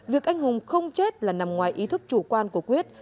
việc anh hùng không chết là nằm ngoài ý thức chủ quan của quyết